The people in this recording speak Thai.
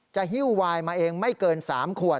ฮิ้ววายมาเองไม่เกิน๓ขวด